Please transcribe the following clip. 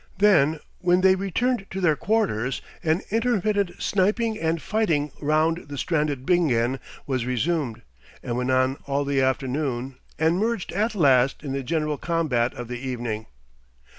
Then when they returned to their quarters, an intermittent sniping and fighting round the stranded Bingen was resumed, and went on all the afternoon, and merged at last in the general combat of the evening....